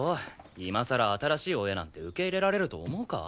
今さら新しい親なんて受け入れられると思うか？